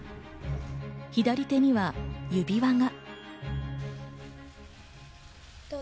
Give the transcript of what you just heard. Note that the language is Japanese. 左手には指輪が。